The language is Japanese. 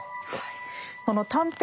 その短編